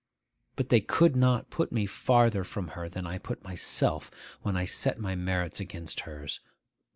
But they could not put me farther from her than I put myself when I set my merits against hers.